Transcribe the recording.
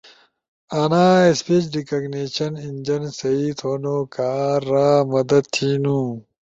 انا اسپیج ریکگنیشن انجن سیئی تھونو کارا مدد تھینو۔